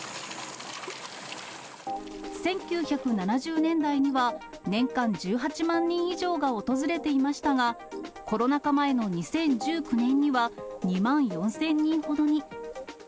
１９７０年代には、年間１８万人以上が訪れていましたが、コロナ禍前の２０１９年には、２万４０００人ほどに。